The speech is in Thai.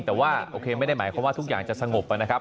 แต่ว่าโอเคไม่ได้หมายความว่าทุกอย่างจะสงบนะครับ